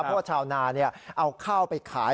เพราะว่าชาวนาเอาข้าวไปขาย